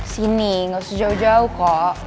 sini nggak usah jauh jauh kok